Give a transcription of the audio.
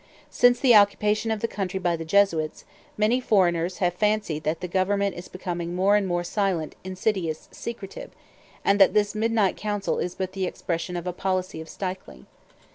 Since the occupation of the country by the Jesuits, many foreigners have fancied that the government is becoming more and more silent, insidious, secretive; and that this midnight council is but the expression of a "policy of stifling."